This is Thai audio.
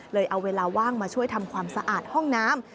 เอาเวลาว่างมาช่วยทำความสะอาดห้องน้ำ